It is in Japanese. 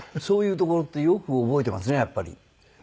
そういうところってよく覚えてますねやっぱり。